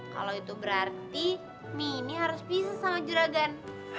kalo itu berarti mini harus pisah sama juragan